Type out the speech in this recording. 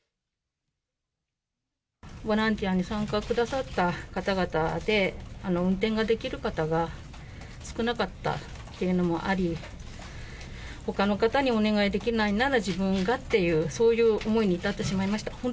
ボランティアに参加くださった方々で、運転ができる方が少なかったっていうのもあり、ほかの方にお願いできないなら、自分がっていう、そういう思いに至ってしまいました。